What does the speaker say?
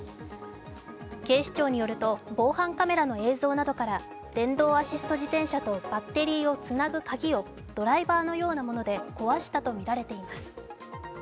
警視庁によると、防犯カメラの映像などから電動アシスト自転車とバッテリーをつなぐ鍵をドライバーのようなもので壊したとみられています。